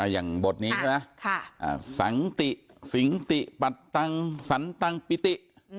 อย่างบทนี้ใช่ไหมสังติสิงติปัตตังสันตังปิติ